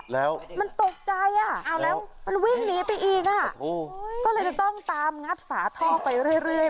แล้วมันตกใจอ่ะเอาแล้วมันวิ่งหนีไปอีกอ่ะก็เลยจะต้องตามงัดฝาท่อไปเรื่อย